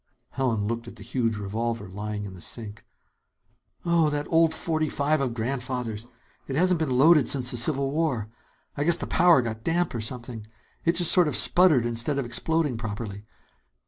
Helen looked at the huge revolver lying in the sink. "Oh, that old forty five of Grandfather's! It hasn't been loaded since the Civil War. I guess the powder got damp or something. It just sort of sputtered instead of exploding properly.